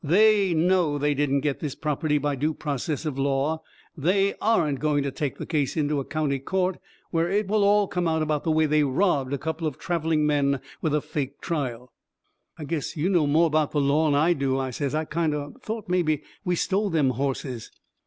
THEY know they didn't get this property by due process of law. THEY aren't going to take the case into a county court where it will all come out about the way they robbed a couple of travelling men with a fake trial." "I guess you know more about the law'n I do," I says. "I kind o' thought mebby we stole them hosses."